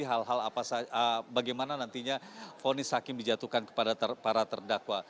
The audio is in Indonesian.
hal hal bagaimana nantinya fonis hakim dijatuhkan kepada para terdakwa